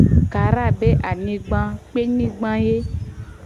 Kara be anyigba a kpenyigba ye.